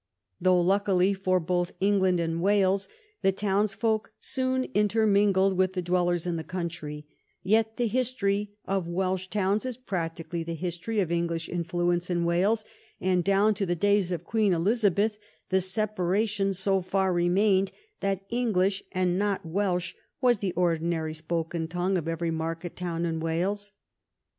Though, luckily for both England and Wales, the towns folk soon intermingled with the dwellers in the country, yet the history of Welsh towns is practically the history of English influence in Wales, and down to the days of Queen Elizabeth the separation so far remained that English and not Welsh was the ordinary spoken tongue of every market town in Wales.